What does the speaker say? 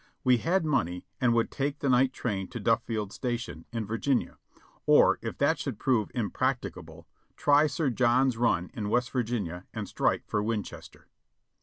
We had money and would take the night train to Dufiield Station, in Virginia, or if that should prove impracticable, try Sir John's Run in West Virginia and strike for Winchester.